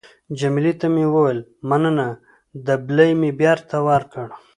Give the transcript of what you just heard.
جميله ته مې وویل: مننه. دبلی مې بېرته ورکړ.